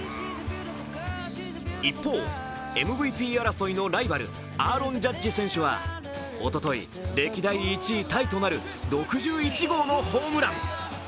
一方、ＭＶＰ争いのライバル、アーロン・ジャッジ選手はおととい、歴代１位タイとなる６１号のホームラン。